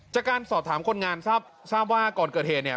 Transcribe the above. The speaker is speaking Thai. จากการสอบถามคนงานทราบว่าก่อนเกิดเหตุเนี่ย